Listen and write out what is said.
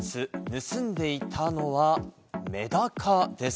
盗んでいたのは、メダカです。